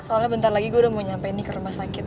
soalnya bentar lagi gue udah mau nyampe ini ke rumah sakit